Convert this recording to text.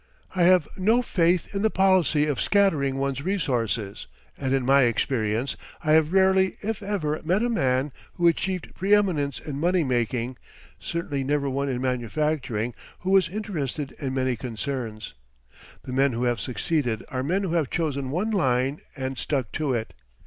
I have no faith in the policy of scattering one's resources, and in my experience I have rarely if ever met a man who achieved preëminence in money making certainly never one in manufacturing who was interested in many concerns. The men who have succeeded are men who have chosen one line and stuck to it.